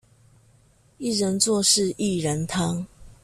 一人做事薏仁湯